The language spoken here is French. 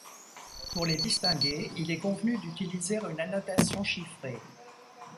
Pour les distinguer, il est convenu d'utiliser une annotation chiffrée.